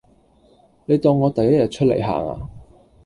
你當我第一日出來行呀